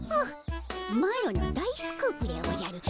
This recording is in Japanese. マロの大スクープでおじゃる。